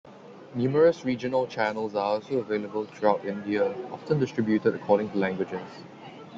Numerous regional channels are also available throughout India, often distributed according to languages.